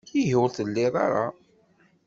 Ihi ur tleddiḍ ara?